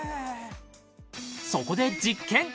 そこで実験！